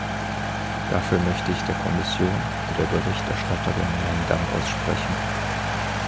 Dafür möchte ich der Kommission und der Berichterstatterin meinen Dank aussprechen.